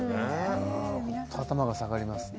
本当に頭が下がりますね。